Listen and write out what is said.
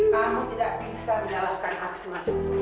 kamu tidak bisa menyalahkan asisme